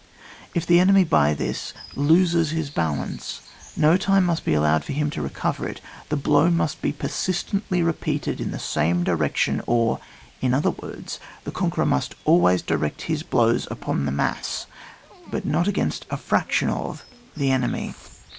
If the enemy by this loses his balance, no time must be ^owed for him to recover it ; the blow must be persist ently repeated in the same direction, or, in other words, the conqueror must al* ways direct his blows upon the mass, but not against a fraction of the enemy.